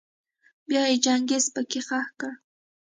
بيا يې چنګېز پکي خښ کړ.